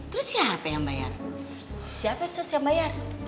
terus siapa yang bayar siapa sus yang bayar